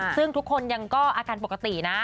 ซึ่งทุกคนยังก็อาการปกตินะ